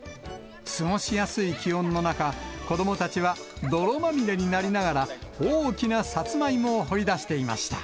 過ごしやすい気温の中、子どもたちは泥まみれになりながら、大きなサツマイモを掘り出していました。